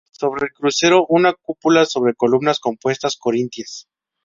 Sobre el crucero, una cúpula sobre columnas compuestas corintias.